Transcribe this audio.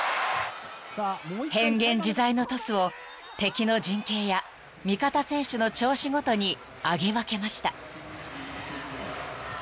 ［変幻自在のトスを敵の陣形や味方選手の調子ごとに上げ分けました］